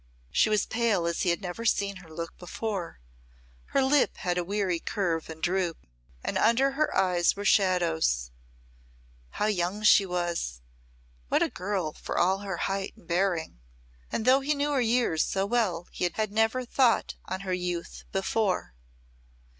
She was pale as he had never seen her look before, her lip had a weary curve and droop, and under her eyes were shadows. How young she was what a girl, for all her height and bearing! and though he knew her years so well he had never thought on her youth before.